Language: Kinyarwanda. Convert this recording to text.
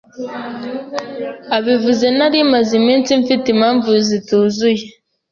abivuze nari maze iminsi mfite imbavu zituzuye